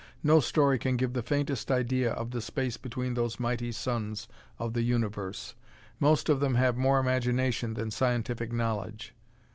No story can give the faintest idea of the space between those mighty suns of the universe. Most of them have more imagination than scientific knowledge.